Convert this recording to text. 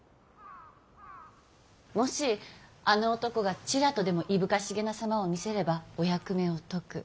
もしあの男がチラとでもいぶかしげな様を見せればお役目を解く。